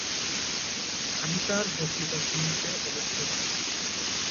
আমি তাঁর বক্তৃতা শুনতে অবশ্য যাব।